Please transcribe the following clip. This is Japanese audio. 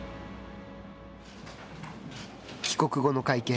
帰国後の会見。